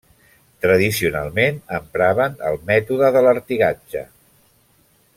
Tradicionalment empraven el mètode de l'artigatge.